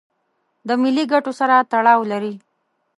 د ملي ګټو سره تړاو لري.